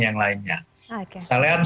yang lainnya kesalahan